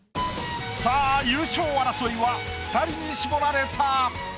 さあ優勝争いは２人に絞られた。